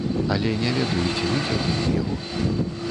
Але не ведаю, ці выцягнем мы яго.